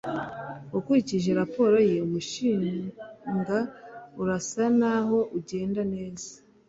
ukurikije raporo ye, umushinga urasa naho ugenda neza